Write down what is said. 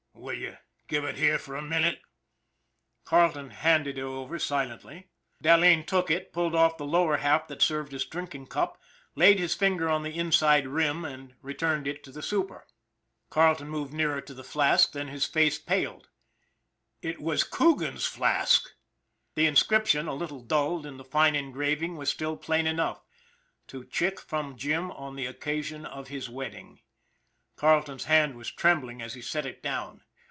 Will you give it here for a minute ?" Carleton handed it over silently. Dahleen took it, pulled off the lower half that served as drinking cup, laid his finger on the inside rim, and returned it to the super. Carleton moved nearer to the light then his face paled. It was Coogaris flask! The inscription, a little dulled, in fine engraving, was still plain enough. ' To Chick from Jim, on the occasion of his wedding." Carleton's hand was trembling as he set it down.